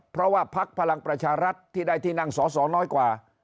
เพราะว่าพักพลังประชารัฐที่ได้ที่นั่งสอสอน้อยกว่า